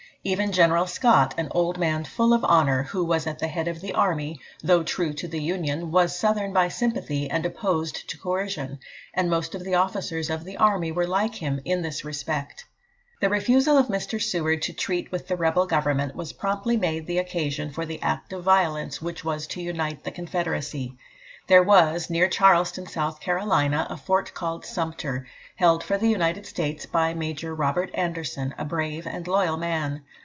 Even General Scott, an old man full of honour, who was at the head of the army, though true to the Union, was Southern by sympathy and opposed to coercion, and most of the officers of the army were like him in this respect. The refusal of Mr. Seward to treat with the rebel government was promptly made the occasion for the act of violence which was to unite the Confederacy. There was, near Charleston, South Carolina, a fort called Sumter, held for the United States by Major Robert Anderson, a brave and loyal man.